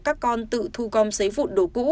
các con tự thu gom giấy vụn đồ cũ